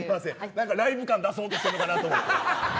なんかライブ感出そうとしてるかなと思って。